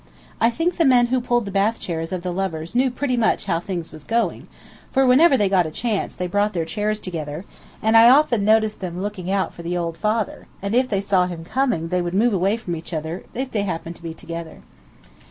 I think the men who pulled the bath chairs of the lovers knew pretty much how things was going, for whenever they got a chance they brought their chairs together, and I often noticed them looking out for the old father, and if they saw him coming they would move away from each other if they happened to be together.